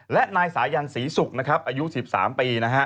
และนายสายัญศรีศุกร์อายุ๑๓ปี